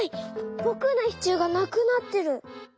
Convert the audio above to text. ぼくのシチューがなくなってる！」。